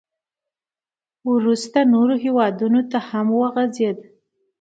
• وروسته نورو هېوادونو ته هم وغځېد.